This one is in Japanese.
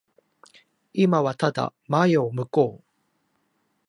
今はただ前を向こう。